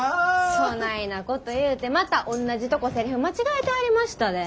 そないなこと言うてまたおんなじとこセリフ間違えてはりましたで。